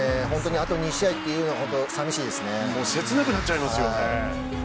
あと２試合というのが切なくなっちゃいますよね。